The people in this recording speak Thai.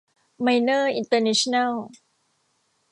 ไมเนอร์ อินเตอร์เนชั่นแนล